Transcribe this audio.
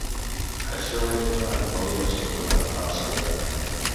“Això és una anomalia estructural”, ha assegurat.